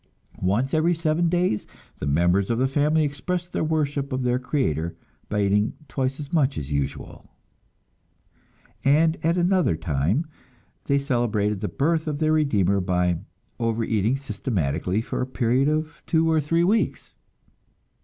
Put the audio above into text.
Once every seven days the members of the family expressed their worship of their Creator by eating twice as much as usual; and at another time they celebrated the birth of their Redeemer by overeating systematically for a period of two or three weeks.